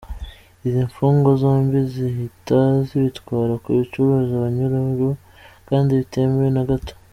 Izi mfungwa zombi zihita zibitwara kubicuruza abanyururu kandi bitemewe na gato.